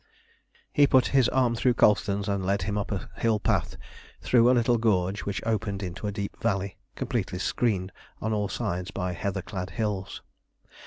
He put his arm through Colston's, and led him up a hill path and through a little gorge which opened into a deep valley, completely screened on all sides by heather clad hills.